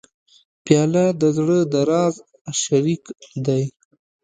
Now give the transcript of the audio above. پیاله د زړه د راز شریک دی.